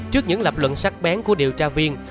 trước những lập luận sắc bén của điều tra viên